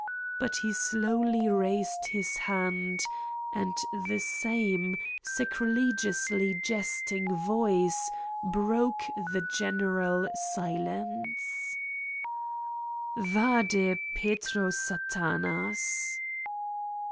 But he slowly raised his hand and the same sacrilegiously jesting voice broke the general silence : "Vade Petro Satanas!"